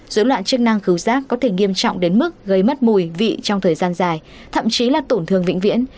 dối loạn chức năng cứu giác có thể nghiêm trọng đến mức gây mất mùi vị trong thời gian dài thậm chí là tổn thương vĩnh viễn